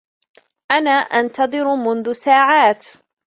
أنا أنتظر منذ ساعات.